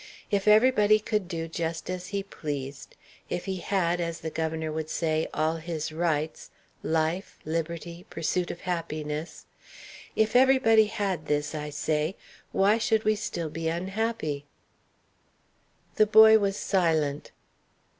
If everybody could do just as he pleased; if he had, as the governor would say, all his rights, life, liberty, pursuit of happiness, if everybody had this, I say, why should we still be unhappy?" The boy was silent.